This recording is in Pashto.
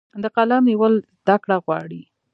د قلم نیول زده کړه غواړي.